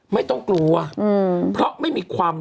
ให้มั้ยมั้ย